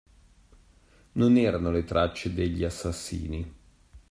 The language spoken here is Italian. Non erano le tracce degli assassini